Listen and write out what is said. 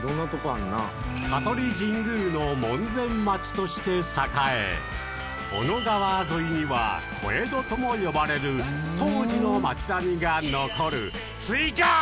香取神宮の門前町として栄え小野川沿いには、小江戸とも呼ばれる、当時の町並みが残る水郷ー！